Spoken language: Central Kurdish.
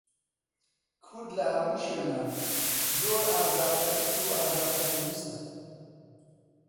کورد لە هەموو شوێنان، زۆر ئازاپەرست و ئازا خۆشەویستە